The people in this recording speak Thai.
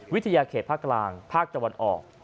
วิทยาเขตภาคกลางภาคตะวันออก